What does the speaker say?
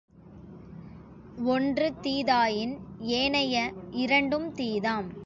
ஒன்று தீதாயின், ஏனைய இரண்டும் தீதாம்.